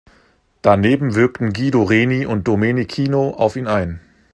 Daneben wirkten Guido Reni und Domenichino auf ihn ein.